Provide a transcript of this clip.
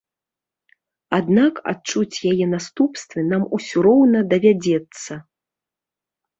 Аднак адчуць яе наступствы нам усё роўна давядзецца.